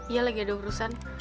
iya lagi ada urusan